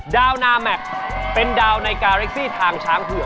นาแมคเป็นดาวในการเล็กซี่ทางช้างเผือก